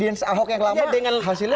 dengan hasilnya menurunkan trust